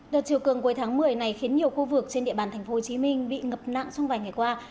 đợt chiều cường cuối tháng một mươi này khiến nhiều khu vực trên địa bàn tp hcm bị ngập nặng trong vài ngày qua